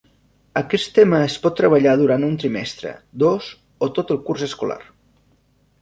Aquest tema es pot treballar durant un trimestre, dos o tot el curs escolar.